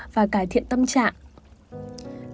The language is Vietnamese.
và cải thiện tâm trạng